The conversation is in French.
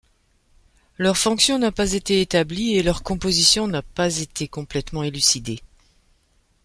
Leur fonction n'a pas été établie, et leur composition n'a pas été complètement élucidée.